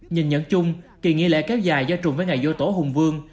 nhìn nhận chung kỳ nghị lệ kéo dài do trùng với ngày vô tổ hùng vương